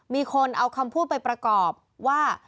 มีคนเอาคำพูดไปประกอบว่า